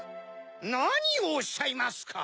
なにをおっしゃいますか。